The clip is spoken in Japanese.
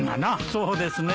そうですね。